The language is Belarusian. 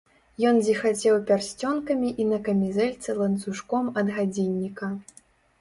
Ён зіхацеў пярсцёнкамі і на камізэльцы ланцужком ад гадзінніка.